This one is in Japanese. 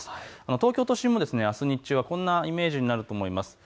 東京都心もあす日中はこんなイメージになると思います。